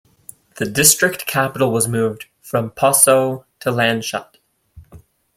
The district capital was moved from Passau to Landshut.